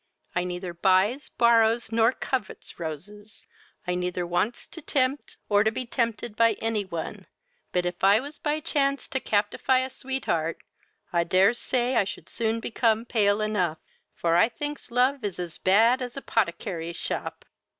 I neither buys, borrows, nor covets, roses; I neither wants to tempt or be tempted by any one; but if I was by chance to captify a sweetheart, I dares to say I should soon become pale enough; for I thinks love is as bad as a 'potticary's shop."